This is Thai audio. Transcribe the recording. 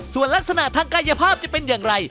ส่วนลักษณะทางกายภาพจะเป็นอย่างไร